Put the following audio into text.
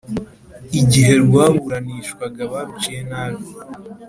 igihe rwaburanishwaga baruciye nabi.